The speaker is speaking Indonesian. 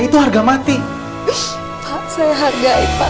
fluar kata ibu